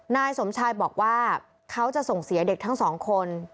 นายสมชายบอกว่าเขาจะส่งเสียเด็กทั้งสองคน